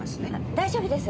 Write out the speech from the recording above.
大丈夫です。